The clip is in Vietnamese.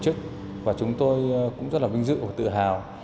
tổ chức và chúng tôi cũng rất là vinh dự và tự hào